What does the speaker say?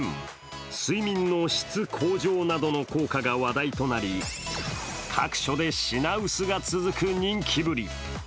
睡眠の質向上などの効果が話題となり各所で品薄が続く人気ぶり。